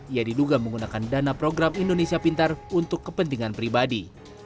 ia diduga menggunakan dana program indonesia pintar untuk kepentingan pribadi